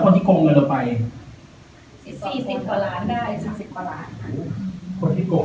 คนที่เขาเพิ่มคนเดียวเป็นกี่คน